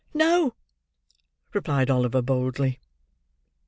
"No!" replied Oliver, boldly.